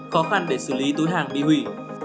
khó khăn để xử lý túi hàng bị hủy